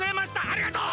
ありがとう！